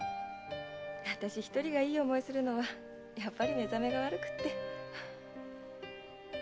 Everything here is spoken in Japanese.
私ひとりがいい思いするのはやっぱり寝覚めが悪くて。